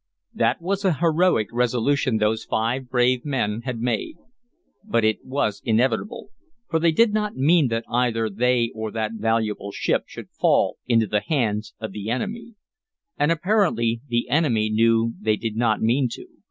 That was a heroic resolution those five brave men had made. But it was inevitable, for they did not mean that either they or that valuable ship should fall into the hands of the enemy. And apparently the enemy knew they did not mean to.